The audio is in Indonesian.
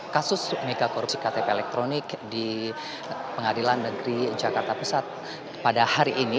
kasus mega korupsi ktp elektronik di pengadilan negeri jakarta pusat pada hari ini